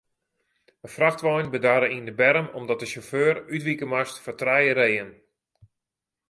In frachtwein bedarre yn de berm omdat de sjauffeur útwike moast foar trije reeën.